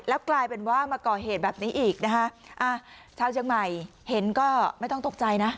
กลายเป็นว่ามาก่อเหตุแบบนี้อีกนะคะอ่าชาวเชียงใหม่เห็นก็ไม่ต้องตกใจนะ